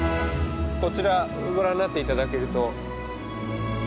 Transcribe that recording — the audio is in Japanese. こちらご覧になって頂けると。